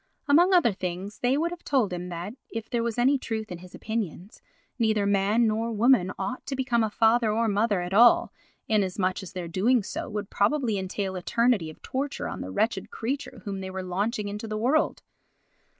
Among other things they would have told him that, if there was any truth in his opinions, neither man nor woman ought to become a father or mother at all, inasmuch as their doing so would probably entail eternity of torture on the wretched creature whom they were launching into the world.